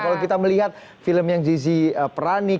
kalau kita melihat film yang zizi perani kemudian yang berbicara